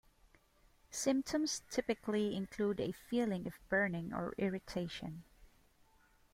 Symptoms typically include a feeling of burning or irritation.